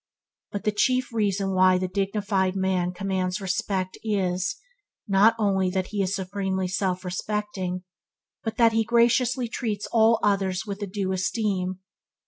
But the chief reason why the dignified man commands respect is, not only that he is supremely self respecting, but that he graciously treats all others with a due esteem.